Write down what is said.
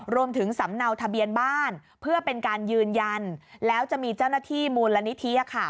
สำเนาทะเบียนบ้านเพื่อเป็นการยืนยันแล้วจะมีเจ้าหน้าที่มูลนิธิค่ะ